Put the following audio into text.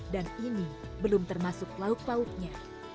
dan ini belum termasuk lauk lauknya